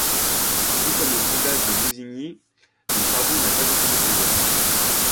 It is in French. Tout comme au sondage de Bousignies, le charbon n'a pas été découvert.